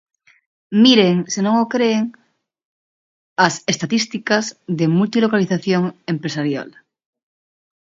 Miren, se non o cren, as estatísticas de multilocalización empresarial.